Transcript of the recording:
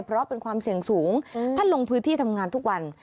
เพราะเป็นความเสี่ยงสูงท่านลงพื้นที่ทำงานทุกวัน